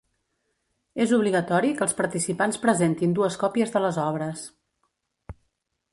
És obligatori que els participants presentin dues còpies de les obres.